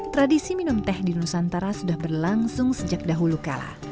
tradisi minum teh di nusantara sudah berlangsung sejak dahulu kala